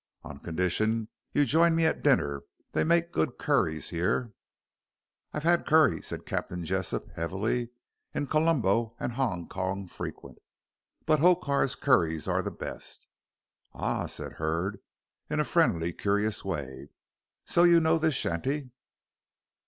"On condition you join me at dinner. They make good curries here." "I've had curry," said Captain Jessop, heavily, "in Colombo and Hong Kong frequent, but Hokar's curries are the best." "Ah!" said Hurd in a friendly curious way, "so you know this shanty?"